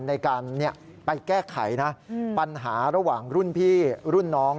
ในการไปแก้ไขนะปัญหาระหว่างรุ่นพี่รุ่นน้อง